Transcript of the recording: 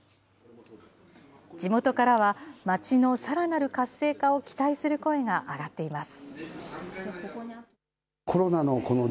地元からは、街のさらなる活性化を期待する声が上がっています。